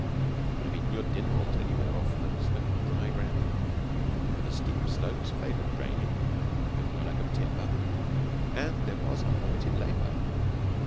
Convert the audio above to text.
You could have eaten your dinner almost anywhere off the swept dry ground, for the steep slopes favoured draining, there was no lack of timber, and there was unlimited labour.